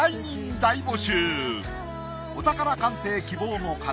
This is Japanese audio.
お宝鑑定希望の方